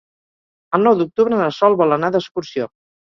El nou d'octubre na Sol vol anar d'excursió.